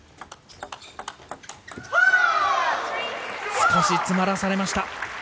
少し詰まらされました。